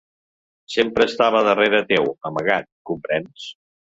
Sempre estava darrere teu, amagat, comprens?